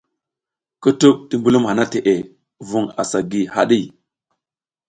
Kutuɓ ti mbulum hana teʼe vun asa gi haɗi.